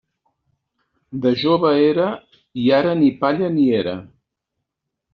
De jove era, i ara ni palla ni era.